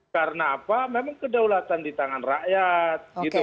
karena apa memang kedaulatan di tangan rakyat